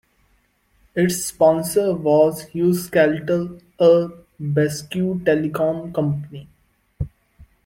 Its sponsor was Euskaltel, a Basque telecom company.